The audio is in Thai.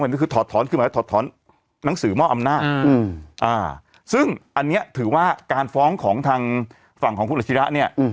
ก็คือถอดถอนคือหมายถอดถอนหนังสือมอบอำนาจซึ่งอันนี้ถือว่าการฟ้องของทางฝั่งของคุณอาชิระเนี่ย